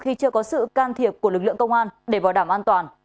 khi chưa có sự can thiệp của lực lượng công an để bảo đảm an toàn